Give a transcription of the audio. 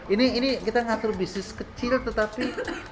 ini kita ngatur bisnis kecil tetapi